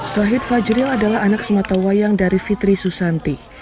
sahid fajril adalah anak sematawayang dari fitri susanti